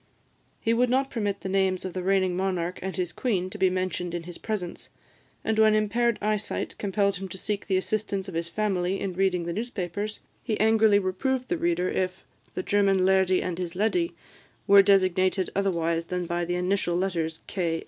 He would not permit the names of the reigning monarch and his queen to be mentioned in his presence; and when impaired eyesight compelled him to seek the assistance of his family in reading the newspapers, he angrily reproved the reader if the "German lairdie and his leddy" were designated otherwise than by the initial letters, "K.